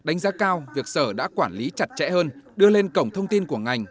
đánh giá cao việc sở đã quản lý chặt chẽ hơn đưa lên cổng thông tin của ngành